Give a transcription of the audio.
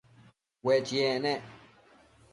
Ue chiec nec